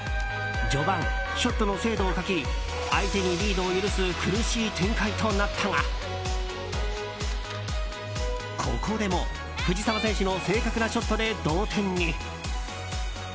序盤、ショットの精度を欠き相手にリードを許す苦しい展開となったがここでも藤澤選手の正確なショットで同点に。